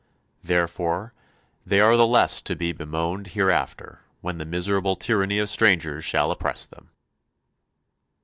therefore they are the less to be bemoaned hereafter when the miserable tyranny of strangers shall oppress them."